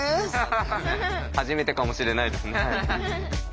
初めてかもしれないです。